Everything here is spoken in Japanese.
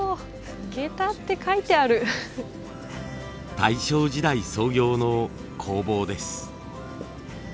大正時代創業の工房です。